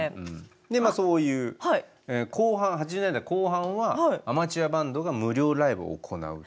でまあそういう後半８０年代後半はアマチュアバンドが無料ライブを行うという。